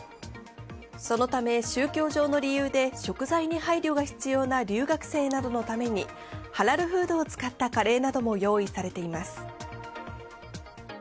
そのため、宗教上の理由で食材に配慮が必要な留学生などのためにハラルフードを使ったカレーなども用意されています。